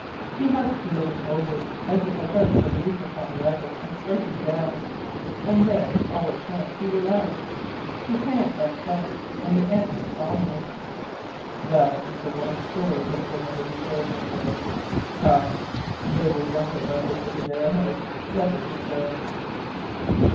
He hunched a little forward, as if about to leap upon the other, and strike him down. And then, all at once, he relaxed. His hands unclenched. And he answered calmly: "That is the one story that will never be told, M'sieur. Come! They will wonder about us at Adare House. Let us return."